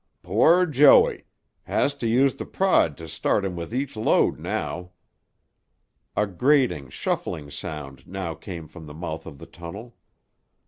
"Poor Joey! Has to use tuh prod to start him with each load now." A grating, shuffling sound now came from the mouth of the tunnel.